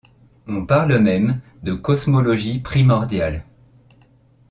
On parle de même de cosmologie primordiale.